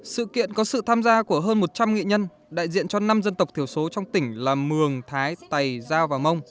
sự kiện có sự tham gia của hơn một trăm linh nghị nhân đại diện cho năm dân tộc thiểu số trong tỉnh là mường thái tày giao và mông